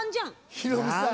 ヒロミさん。